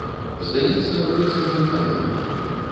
Здаецца, быццам ён памёр.